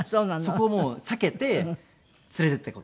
そこをもう避けて連れて行った事があって。